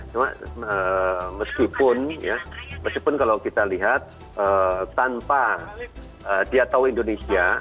cuma meskipun kalau kita lihat tanpa dia tahu indonesia